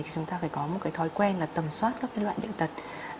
thì chúng ta phải có một cái thói quen là tầm soát các loại bệnh tật